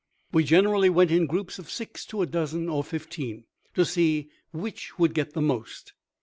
We generally went in groups of six to a dozen or fifteen, to see which would get the most.